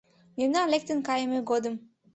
Мемнан лектын кайыме годым